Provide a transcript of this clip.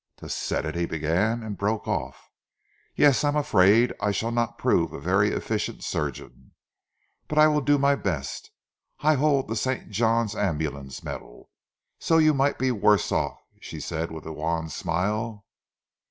"To set it " he began, and broke off. "Yes! I am afraid I shall not prove a very efficient surgeon; but I will do my best. I hold the St. John's Ambulance medal, so you might be worse off," she said, with a wan smile.